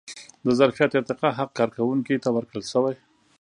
د ظرفیت ارتقا حق کارکوونکي ته ورکړل شوی.